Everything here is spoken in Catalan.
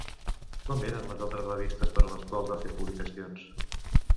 Com eren les altres revistes per a les quals va fer publicacions?